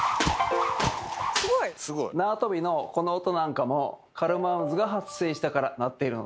縄跳びのこの音なんかもカルマン渦が発生したからなっているのです。